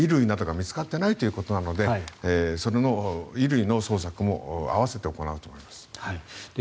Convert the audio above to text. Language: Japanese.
また衣類などが見つかってきていないということなのでその衣類の捜索も併せて行うと思います。